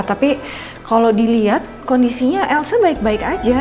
tapi kalau dilihat kondisinya elsa baik baik aja